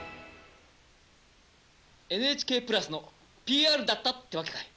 ＮＨＫプラスのＰＲだったってわけかい。